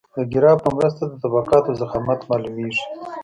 د ګراف په مرسته د طبقاتو ضخامت معلومیږي